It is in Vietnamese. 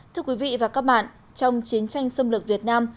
thưa quý vị và các bạn trong chiến tranh xâm lược việt nam